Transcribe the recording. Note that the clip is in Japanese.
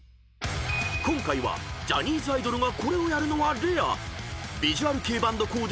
［今回はジャニーズアイドルがこれをやるのはレア］